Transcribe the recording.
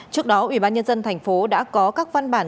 trước đó ủy ban nhân dân tp đã có các văn bản